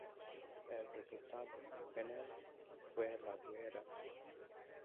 El resultado final fue la guerra.